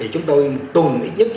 chúng tôi tuần ít nhất